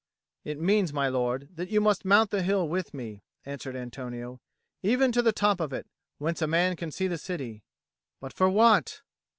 "It means, my lord, that you must mount the hill with me," answered Antonio, "even to the top of it, whence a man can see the city." "But for what?"